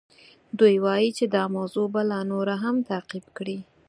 دوی وایي چې دا موضوع به لا نوره هم تعقیب کړي.